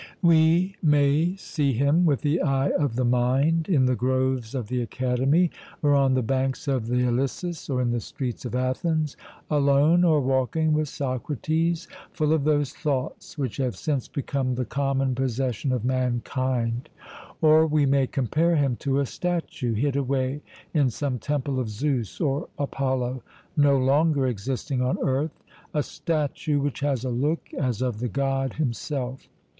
We may see him with the eye of the mind in the groves of the Academy, or on the banks of the Ilissus, or in the streets of Athens, alone or walking with Socrates, full of those thoughts which have since become the common possession of mankind. Or we may compare him to a statue hid away in some temple of Zeus or Apollo, no longer existing on earth, a statue which has a look as of the God himself.